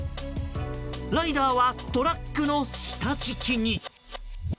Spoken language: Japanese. ライダーはトラックの下敷きに。